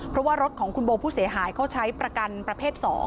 เพราะว่ารถของคุณโบผู้เสียหายเขาใช้ประกันประเภท๒